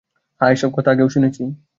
হ্যাঁ, এসব কথা আগেও শুনেছি।